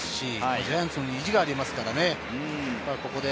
ジャイアンツも意地がありますからね。